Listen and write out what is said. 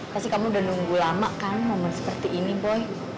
pasti kamu udah nunggu lama kan momen seperti ini boy